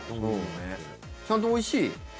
ちゃんとおいしい？